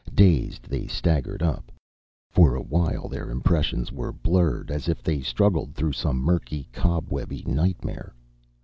Dazed, they staggered up. For a while their impressions were blurred, as if they struggled through some murky, cobwebby nightmare.